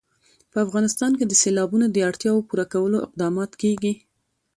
په افغانستان کې د سیلابونو د اړتیاوو پوره کولو اقدامات کېږي.